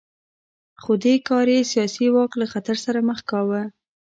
خو دې کار یې سیاسي واک له خطر سره مخ کاوه